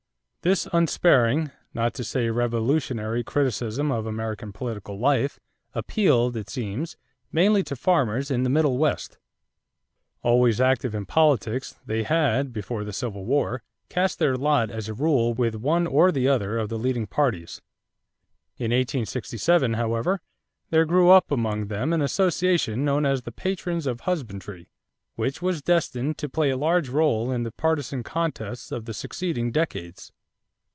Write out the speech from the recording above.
= This unsparing, not to say revolutionary, criticism of American political life, appealed, it seems, mainly to farmers in the Middle West. Always active in politics, they had, before the Civil War, cast their lot as a rule with one or the other of the leading parties. In 1867, however, there grew up among them an association known as the "Patrons of Husbandry," which was destined to play a large rôle in the partisan contests of the succeeding decades.